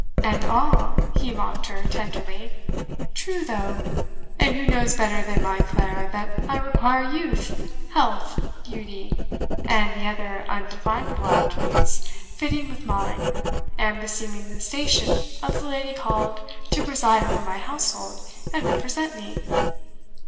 "And, ah!" he mocked her tenderly. "True, though! And who knows better than my Clara that I require youth, health, beauty, and the other undefinable attributes fitting with mine and beseeming the station of the lady called to preside over my household and represent me?